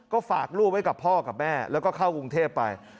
ก็ฝากลูกไว้กับพ่อกับแม่แล้วก็เข้ากรุงเทพไป